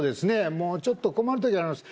もうちょっと困る時あります